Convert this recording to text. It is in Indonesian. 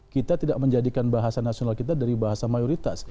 kita tidak menjadikan bahasa nasional kita dari bahasa mayoritas